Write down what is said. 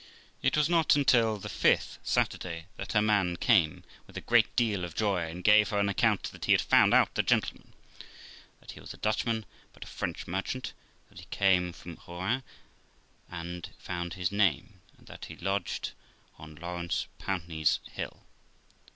It was not till the fifth Saturday that her man came, with a great deal of joy, and gave her an account that he had found out the gentleman; that he was a Dutchman, but a French merchant; that he came from Rouen, and his name was , and that he lodged at Mr 's, on Laurence Pountney's Hill.